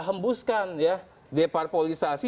hembuskan ya deparpolisasi